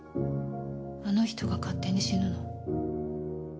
あの人が勝手に死ぬの。